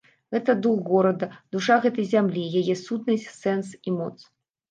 Гэта дух горада, душа гэтай зямлі, яе сутнасць, сэнс і моц.